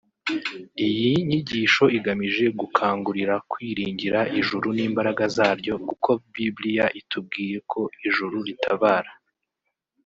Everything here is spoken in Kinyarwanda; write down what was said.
Iyi nyigisho igamije kugukangurira kwiringira ijuru n’ imbaraga zaryo kuko Biblia itubwiye ko ijuru ritabara